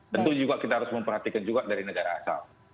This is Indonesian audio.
tentu juga kita harus memperhatikan juga dari negara asal